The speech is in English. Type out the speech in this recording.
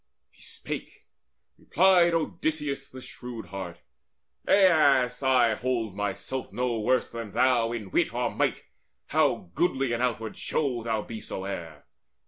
He spake; replied Odysseus the shrewd heart: "Aias, I hold myself no worse than thou In wit or might, how goodly in outward show Thou be soever.